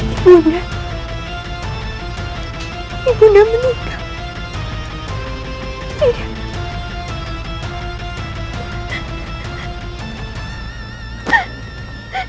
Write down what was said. ibu nak muda menikah tidak